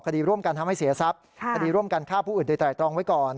คดีร่วมกันทำให้เสียทรัพย์คดีร่วมกันฆ่าผู้อื่นโดยไตรตรองไว้ก่อน